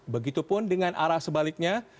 begitupun dengan arah sebaliknya